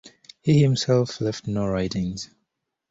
He himself left no writings.